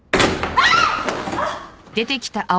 あっ。